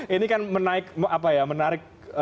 ini kan menarik